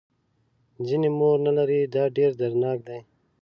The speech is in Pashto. ځینې مور نه لري دا ډېر دردناک دی.